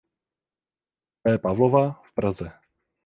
P. Pavlova v Praze.